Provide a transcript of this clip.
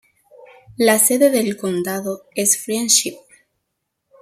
La sede del condado es Friendship.